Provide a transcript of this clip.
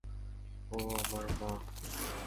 ও আমার মা!